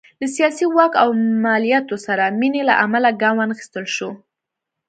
له سیاسي واک او مالیاتو سره مینې له امله ګام وانخیستل شو.